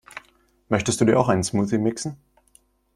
Möchtest du dir auch einen Smoothie mixen?